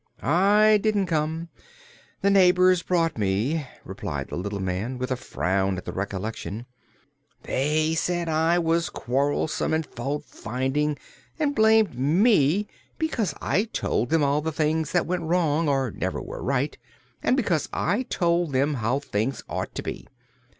"I didn't come; the neighbors brought me," replied the little man, with a frown at the recollection. "They said I was quarrelsome and fault finding and blamed me because I told them all the things that went wrong, or never were right, and because I told them how things ought to be.